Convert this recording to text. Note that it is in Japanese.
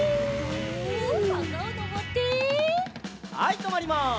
はいとまります。